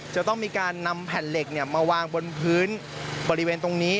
จะต้องมีการนำแผ่นเหล็กมาวางบนพื้นบริเวณตรงนี้